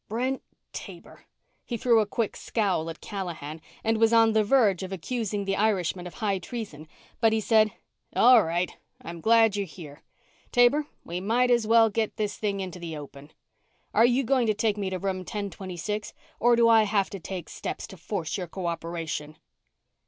"Brent Taber!" He threw a quick scowl at Callahan and was on the verge of accusing the Irishman of high treason, but he said, "All right. I'm glad you're here, Taber. We might as well get this thing into the open. Are you going to take me to room ten twenty six or do I have to take steps to force your co operation?"